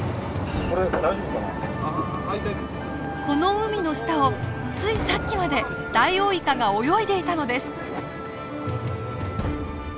この海の下をついさっきまでダイオウイカが泳いでいたのです！